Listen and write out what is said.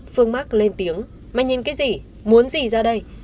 phương mắc lên tiếng mà nhìn cái gì muốn gì ra đây